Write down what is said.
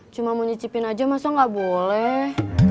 cuma mau nyicipin aja masa gak boleh